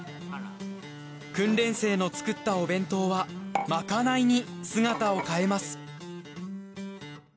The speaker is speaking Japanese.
訓練生の作ったお弁当はまかないに姿を変えます。